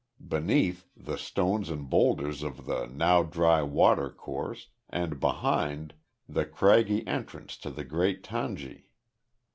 Beneath, the stones and boulders of the now dry watercourse, and behind, the craggy entrance to the great tangi.